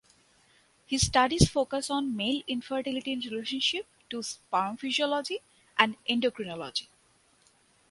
His studies focus on male infertility in relationship to sperm physiology and endocrinology.